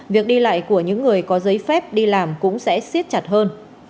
việc đi lại của những người có giấy phép đi làm cũng sẽ xiết chặt hơn